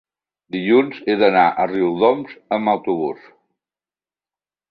dilluns he d'anar a Riudoms amb autobús.